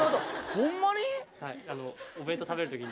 ホンマに？